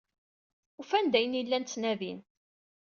Ufan-d ayen ay llan ttnadin.